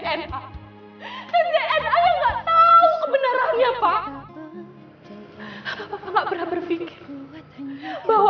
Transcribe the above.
bahwa sdn enggak tahu kebenerannya pak bapak enggak pernah berpikir bahwa sdn enggak tahu kebenerannya pak bapak enggak pernah berpikir bahwa